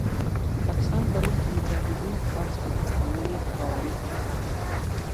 پاکستان پرون مجاهدین خرڅ کړل او نن یې خوارج وپلورل.